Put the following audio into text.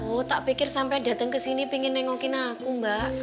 oh tak pikir sampai dateng kesini pingin nengokin aku mbak